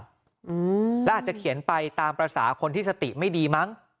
อืมแล้วอาจจะเขียนไปตามภาษาคนที่สติไม่ดีมั้ง